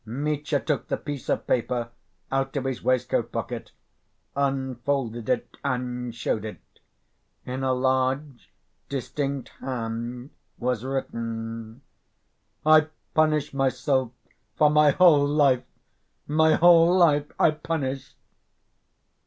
Mitya took the piece of paper out of his waistcoat pocket, unfolded it and showed it. In a large, distinct hand was written: "I punish myself for my whole life, my whole life I punish!"